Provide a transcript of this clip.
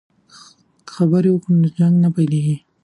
که خبرې وکړو نو جنګ نه پیلیږي.